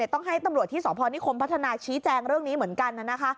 ต้องให้ตำรวจที่สพนิคมพัฒนาชี้แจงเรื่องนี้เหมือนกัน